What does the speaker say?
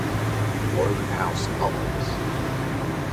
Wodehouse novels.